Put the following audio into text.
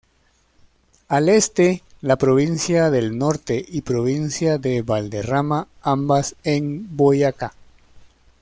Al este, con la Provincia del Norte y Provincia de Valderrama, ambas en Boyacá.